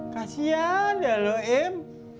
kasian ya lo im